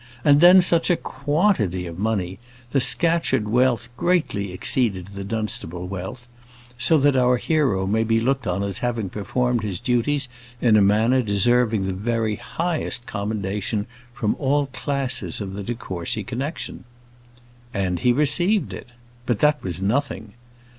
And then, such a quantity of money! The Scatcherd wealth greatly exceeded the Dunstable wealth; so that our hero may be looked on as having performed his duties in a manner deserving the very highest commendation from all classes of the de Courcy connexion. And he received it. But that was nothing.